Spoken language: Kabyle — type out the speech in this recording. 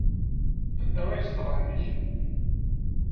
Anda ay yezdeɣ ɛemmi-k?